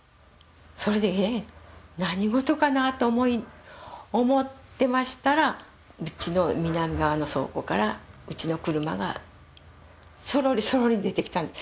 それで「えっ何事かな？」と思っていましたらうちの南側の倉庫からうちの車がそろりそろり出てきたんです。